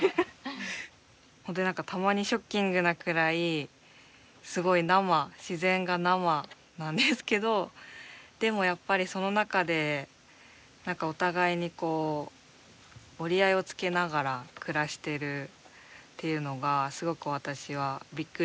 本当に何かたまにショッキングなくらいすごい生自然が生なんですけどでもやっぱりその中で何かお互いにこう折り合いをつけながら暮らしてるっていうのがすごく私はびっくりしたし。